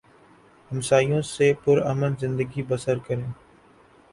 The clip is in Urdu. ہمسایوں سے پر امن زندگی بسر کریں